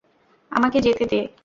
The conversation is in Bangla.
আমাকে যেতে দে!